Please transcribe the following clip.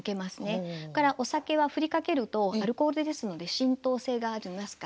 それからお酒はふりかけるとアルコールですので浸透性がありますから。